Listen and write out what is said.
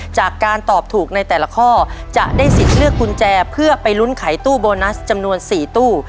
จากการตอบถูกในแต่ละข้อจะได้สิทธิ์เลือกกุญแจเพื่อไปลุ้นไขตู้โบนัสจำนวน๔ตู้